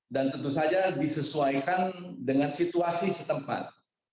dan tentu saja disesuaikan dengan situasi setempat